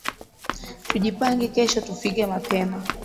Tujipange kesho tufike mapema